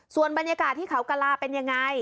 ส่วนบรรยากาศที่เขากระลาเป็นยังไง